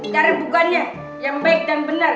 karena bukannya yang baik dan benar